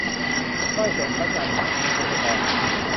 สร้อยแสงจันทร์ - พงศกร